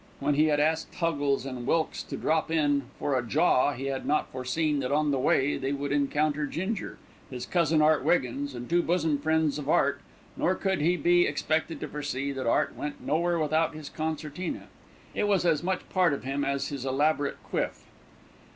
When he had asked Huggles and Wilkes to drop in "for a jaw," he had not foreseen that on the way they would encounter Ginger, his cousin Art Wiggins and two bosom friends of Art, nor could he be expected to foresee that Art went nowhere without his concertina. It was as much part of him as his elaborate quiff.